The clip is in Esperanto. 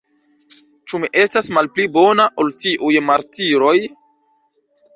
Ĉu mi estas malpli bona, ol tiuj martiroj?